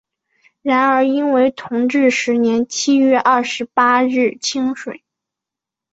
然而因为同治十年七月廿八日请水。